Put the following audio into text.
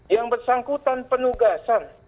yang bersangkutan penugasan